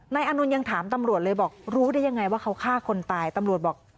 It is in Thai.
อานนท์ยังถามตำรวจเลยบอกรู้ได้ยังไงว่าเขาฆ่าคนตายตำรวจบอก